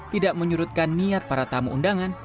tidak menyurutkan niat para tamu undangan